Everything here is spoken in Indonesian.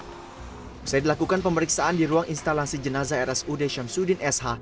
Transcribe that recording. setelah dilakukan pemeriksaan di ruang instalasi jenazah rsud syamsuddin sh